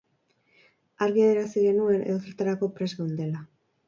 Argi adierazi genuen edozertarako prest geundela.